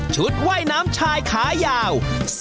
ว่ายน้ำชายขายาว